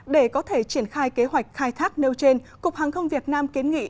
để có thể triển khai kế hoạch khai thác nêu trên cục hàng không việt nam kiến nghị